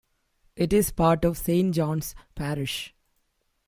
It is part of Saint John's Parish.